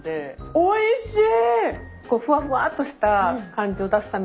おいしい！